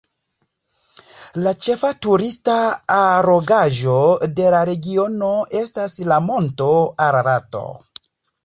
La ĉefa turista allogaĵo de la regiono estas la monto Ararato.